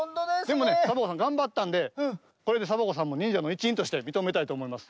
でもねサボ子さんがんばったんでこれでサボ子さんもにんじゃのいちいんとしてみとめたいとおもいます。